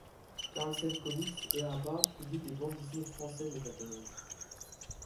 Carlsen Comics, Ehapa, publient des bandes dessinées françaises et japonaises.